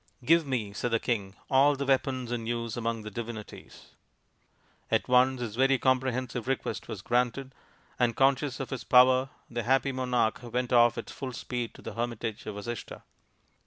" Give me," said the king, " all the weapons in use among the divinities." At once his very comprehensive request was granted, and conscious of his power the happy monarch went off at full speed to the hermitage of Vasishtha.